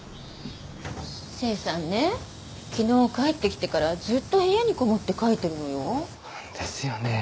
清さんね昨日帰ってきてからずっと部屋にこもって書いてるのよ。ですよね。